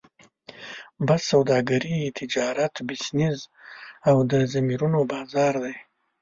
بس سوداګري، تجارت، بزنس او د ضمیرونو بازار دی.